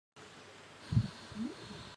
此后在道光二十二年时又陆续有整修过。